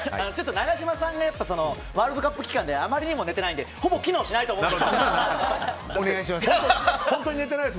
永島さんがワールドカップ期間であまりにも寝てないのでほぼ機能しないと思うので。